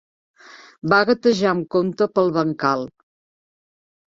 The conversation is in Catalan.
Va gatejar amb compte pel bancal.